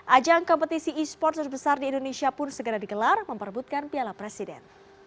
ajang kompetisi esports terbesar di indonesia pun segera dikelar memperbutkan piala presiden